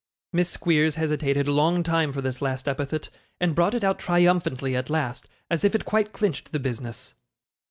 (Miss Squeers hesitated a long time for this last epithet, and brought it out triumphantly at last, as if it quite clinched the business.)